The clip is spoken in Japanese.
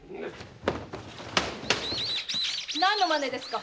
何の真似ですか？